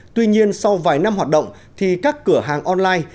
tuy nhiên sau vài năm hoạt động thì các cửa hàng online